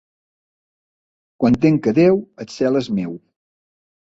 Quan tinc a Déu, el cel és meu.